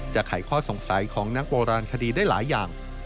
ไขข้อสงสัยของนักโบราณคดีได้หลายอย่าง